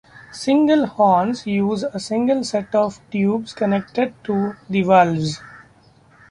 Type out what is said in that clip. Single horns use a single set of tubes connected to the valves.